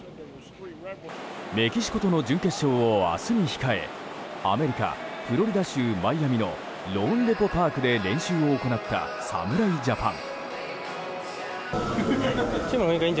メキシコとの準決勝を明日に控えアメリカ・フロリダ州マイアミのローンデポ・パークで練習を行った侍ジャパン。